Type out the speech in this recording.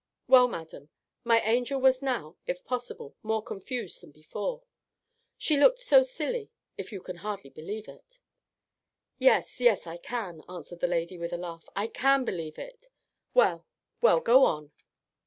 Well, madam, my angel was now, if possible, more confused than before. She looked so silly, you can hardly believe it." "Yes, yes, I can," answered the lady, with a laugh, "I can believe it. Well, well, go on."